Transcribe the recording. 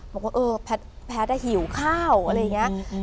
บอกว่าเออแพทย์หิวข้าวอะไรอย่างนี้